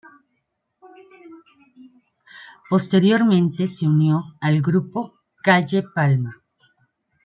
Posteriormente se unió al grupo Calle Palma.